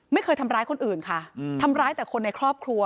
ไม่เคยทำร้ายคนอื่นค่ะทำร้ายแต่คนในครอบครัว